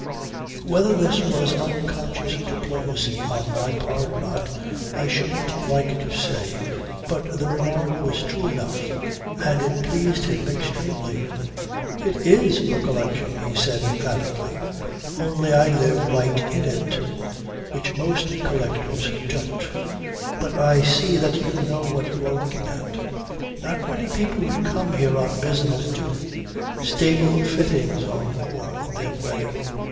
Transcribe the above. Whether this was unconscious diplomacy on my part, or not, I shouldn't like to say but the remark was true enough, and it pleased him extremely. "It is a collection," he said emphatically. "Only I live right in it, which most collectors don't. But I see that you know what you are looking at. Not many people who come here on business do. Stable fittings are more in their way."